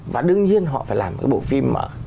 và đương nhiên họ phải làm cái bộ phim